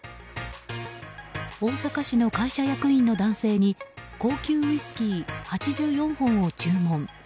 大阪市の会社役員の男性に高級ウイスキー８４本を注文。